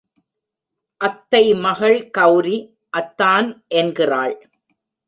அத்தை மகள் கெளரி அத்தான் என்கிறாள்!